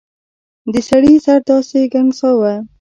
د سړي سر داسې ګنګساوه.